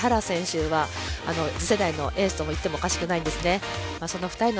そして木原選手は次世代のエースといってもおかしくないんですね。